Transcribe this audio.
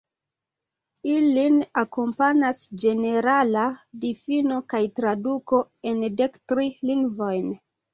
Ilin akompanas ĝenerala difino kaj traduko en dek tri lingvojn.